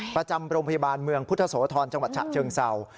ประจำโรงพยาบาลเมืองพุทธโสธรจังหวัดฉะเชิงเศร้า